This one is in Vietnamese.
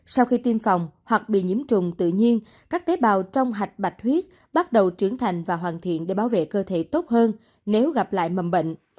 sau khi tiêm phòng hoặc bị nhiễm trùng tự nhiên các tế bào trong hạch bạch bạch huyết bắt đầu trưởng thành và hoàn thiện để bảo vệ cơ thể tốt hơn nếu gặp lại mầm bệnh